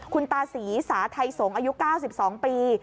คุณตาศรีสาไทยสงฆ์อายุ๙๒ปี